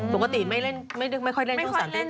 ปกติไม่เล่นช่อง๓